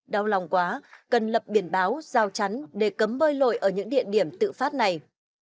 đau lòng quá cần lập biển báo giao chắn để cấm bơi lội ở những địa điểm tự phát này